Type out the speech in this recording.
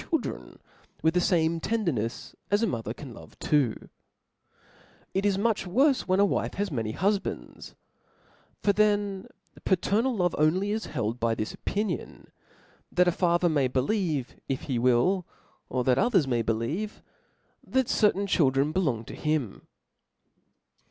children with the fame tende^nefs ds a mother can Jove twa It is much worfe when a wife has many hitrifbands ; for then :paternal love is only held by this opinion, that a father may beli^vei if he Will, of that others ,may believe^ thut^certahi K:hildren belong *to him.